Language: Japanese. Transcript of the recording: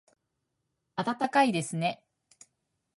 暖かいですね